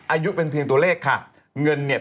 อายุเป็นเพียงตัวเลขค่ะเงินเนี่ย